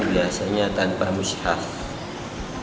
biasanya tanpa membaca al quran